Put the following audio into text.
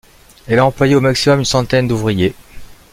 Elle a employé au maximum une centaine d'ouvriers.